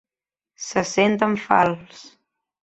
Se sent en fals.